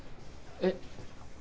えっ？